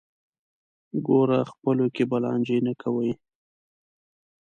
ګوره خپلو کې به لانجې نه کوئ.